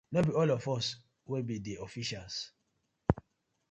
No bi all of us, we bi di officials.